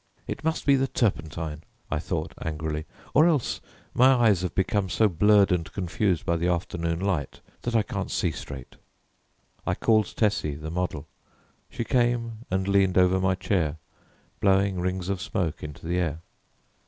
"It must be the turpentine," I thought angrily, "or else my eyes have become so blurred and confused by the afternoon light that I can't see straight." I called Tessie, the model. She came and leaned over my chair blowing rings of smoke into the air.